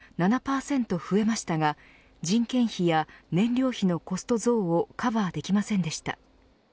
売り上げは７％増えましたが人件費や燃料費のコスト増をカバーできませんでした。